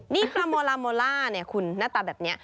นี่ปลาโมลาโมลาหน้าตาแบบนี้